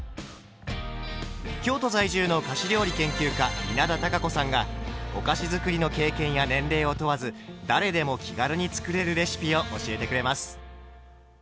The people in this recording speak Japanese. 京都在住の菓子料理研究家稲田多佳子さんがお菓子づくりの経験や年齢を問わず誰でも気軽に作れるレシピを教えてくれます。